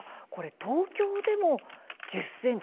東京でも１０ｃｍ。